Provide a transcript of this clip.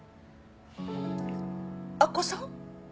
明子さん？